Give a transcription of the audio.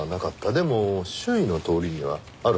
でも周囲の通りにはあるはずだろ？